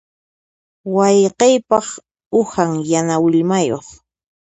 Wayqiypaq uhan yana willmayuq.